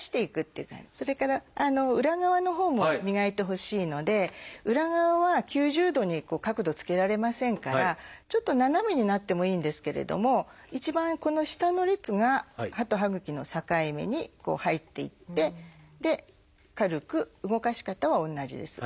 それから裏側のほうも磨いてほしいので裏側は９０度に角度つけられませんからちょっと斜めになってもいいんですけれども一番この下の列が歯と歯ぐきの境目に入っていって軽く動かし方は同じです。